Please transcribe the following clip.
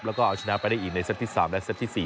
แล้วก็เอาชนะไปได้อีกในเซตที่๓และเซตที่๔